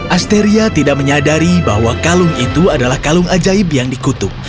asteria tidak menyadari bahwa kalung itu adalah kalung ajaib yang dikutuk